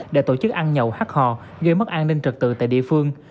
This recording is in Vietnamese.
để tổ chức ăn nhậu hát hò gây mất an ninh trật tự tại địa phương